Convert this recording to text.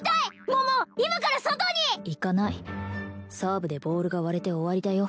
桃今から外に行かないサーブでボールが割れて終わりだよ